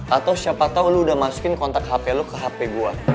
atau siapa tau lo udah masukin kontak handphone lo ke handphone gue